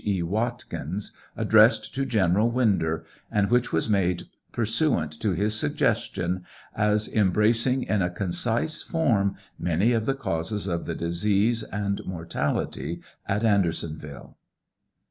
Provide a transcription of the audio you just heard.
E. Watkins, addressed to General Winder, and which was made pursuant to his suggestion, as embracing in a concise form many of the causes of the disease and mortality at Ander gonville.